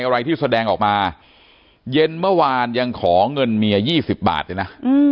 อะไรที่แสดงออกมาเย็นเมื่อวานยังขอเงินเมีย๒๐บาทเลยนะ